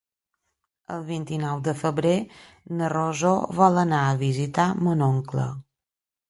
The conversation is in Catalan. El vint-i-nou de febrer na Rosó vol anar a visitar mon oncle.